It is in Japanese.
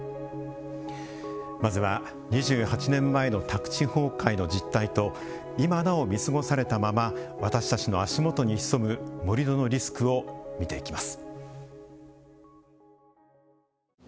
まずは、２８年前の宅地崩壊の実態と今なお、見過ごされたまま私たちの足元に潜む盛土のリスクを見ていきます。